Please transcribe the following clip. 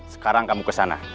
sekarang kamu ke sana